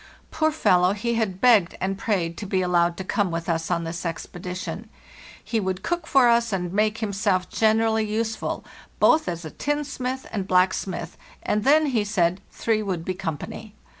Poor fel low, he had begged and prayed to be allowed to come with us on this expedition; he would cook for us and make himself generally useful, both as a tinsmith and_ black smith; and then, he said, three would be company.